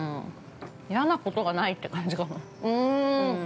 ◆嫌なことがないって感じかな。